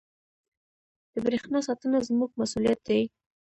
• د برېښنا ساتنه زموږ مسؤلیت دی.